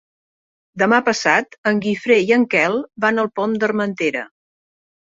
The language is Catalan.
Demà passat en Guifré i en Quel van al Pont d'Armentera.